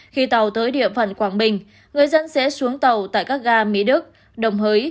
khi tàu tới địa phận quảng bình người dân sẽ xuống tàu tại các ga mỹ đức đồng hới